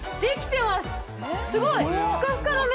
すごい！